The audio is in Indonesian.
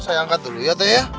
tunggu dulu ya